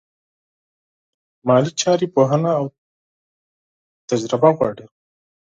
مالي چارې پوهنه او تجربه غواړي.